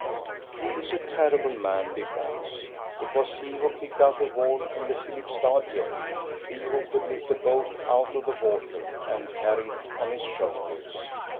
He is a terrible man, big Mons. It was he who kicked out a wall in the Filipstad jail, he who could lift a boat out of the water and carry it on his shoulders.